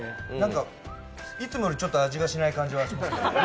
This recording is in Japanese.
いつもより味がしない感じはします